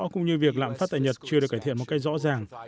cũng như việc lạm phát tại nhật chưa được cải thiện một cách rõ ràng